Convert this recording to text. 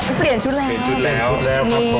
เอาไปเปลี่ยนชุดแล้วเปลี่ยนชุดแล้วพอผมเปลี่ยนชุดแล้ว